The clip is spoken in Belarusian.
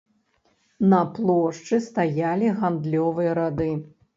На плошчы стаялі гандлёвыя рады.